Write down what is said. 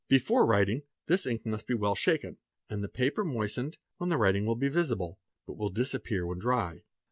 Before writing, this ink must be well shaken and the paper moistened, when the writing will be visible but will disappear when _ dry.